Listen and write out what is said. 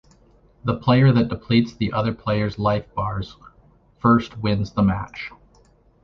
The player that depletes the other player's life bars first wins the match.